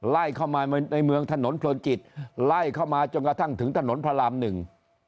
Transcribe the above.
ไล่เข้ามาในเมืองถนนเพลินจิตไล่เข้ามาจนกระทั่งถึงถนนพระรามหนึ่ง